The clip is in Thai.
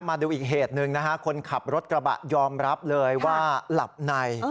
มาดูอีกเหตุหนึ่งนะฮะคนขับรถกระบะยอมรับเลยว่าหลับใน